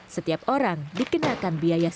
setiap orang dikenakan biasa